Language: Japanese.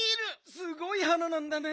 すごい花なんだね。